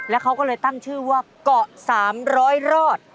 แล้วเขาก็เลยตั้งชื่อว่าเกาะ๓๐๐รอด